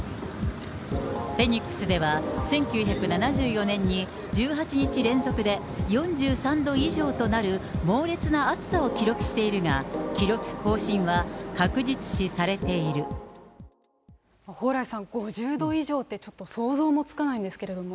フェニックスでは、１９７４年に、１８日連続で４３度以上となる猛烈な暑さを記録しているが、記録蓬莱さん、５０度以上って、ちょっと想像もつかないんですけれども。